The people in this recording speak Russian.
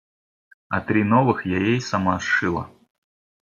А три новых я ей сама сшила.